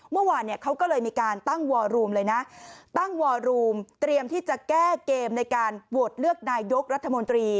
เมื่อวานเนี่ยเขาก็เลยมีการตั้งวอรูมเลยนะตั้งวอรูมเตรียมที่จะแก้เกมในการโหวตเลือกนายกรัฐมนตรี